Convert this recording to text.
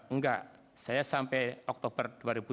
enggak saya sampai oktober dua ribu tujuh belas